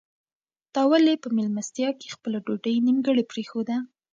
تا ولې په مېلمستیا کې خپله ډوډۍ نیمګړې پرېښوده؟